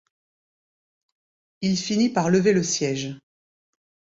Il finit par lever le siège.